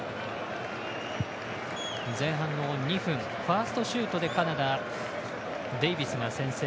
前半の２分ファーストシュートでカナダデイビスが先制。